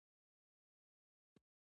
پیلوټ د زړه له اخلاصه الوت کوي.